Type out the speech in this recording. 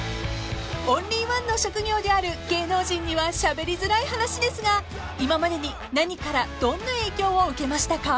［オンリーワンの職業である芸能人にはしゃべりづらい話ですが今までに何からどんな影響を受けましたか？］